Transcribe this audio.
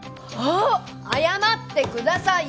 謝ってください！